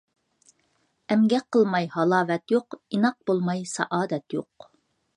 ئەمگەك قىلماي ھالاۋەت يوق، ئىناق بولماي سائادەت يوق.